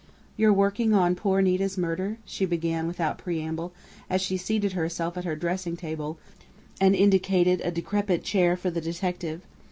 "You're working on poor Nita's murder?" she began without preamble, as she seated herself at her dressing table and indicated a decrepit chair for the detective.